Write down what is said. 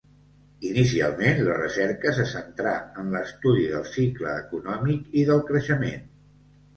Inicialment, la recerca se centrà en l’estudi del cicle econòmic i del creixement.